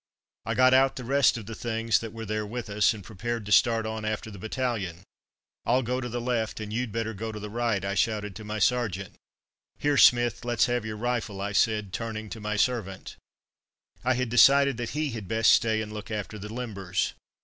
I got out the rest of the things that were there with us and prepared to start on after the battalion. "I'll go to the left, and you'd better go to the right," I shouted to my sergeant. "Here, Smith, let's have your rifle," I said, turning to my servant. I had decided that he had best stay and look after the limbers.